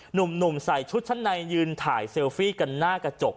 หนุ่มใส่ชุดชั้นในยืนถ่ายเซลฟี่กันหน้ากระจก